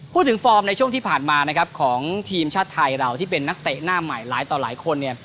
ฟอร์มในช่วงที่ผ่านมานะครับของทีมชาติไทยเราที่เป็นนักเตะหน้าใหม่หลายต่อหลายคนเนี่ย